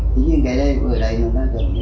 thế nhưng cái đây ở đây nó gần như là trả lại